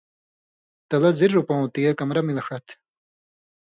تلہ زِر رُپَوؤں تِگے کمرہ مِلہ ݜِت۔